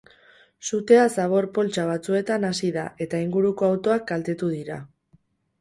Sutea zabor-poltsa batzuetan hasi da, eta inguruko autoak kaltetu dira.